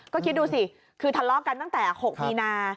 ก็คิดดูสิคือทะเลาะกันตั้งแต่๖มีนา